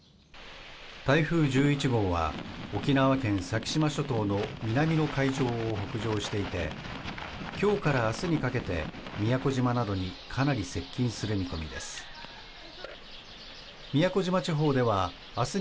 台風１１号は沖縄県先島諸島の南の海上を北上していて今日から明日にかけて宮古島などにかなり接近する見込みです。